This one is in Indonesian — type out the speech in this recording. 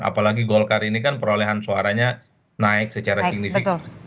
apalagi golkar ini kan perolehan suaranya naik secara signifikan